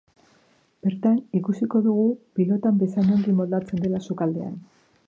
Bertan ikusiko dugu pilotan bezain ongi moldatzen dela sukaldean.